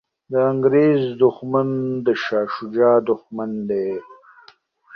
د انګریز دښمن د شاه شجاع دښمن دی.